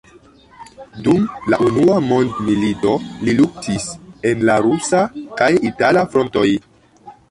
Dum la unua mondmilito li luktis en la rusa kaj itala frontoj.